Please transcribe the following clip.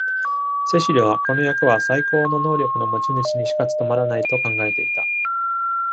セシルは、この役は最高の能力の持ち主にしか務まらないと考えていた。